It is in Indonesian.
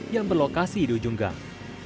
yang berlokasi di ujung gang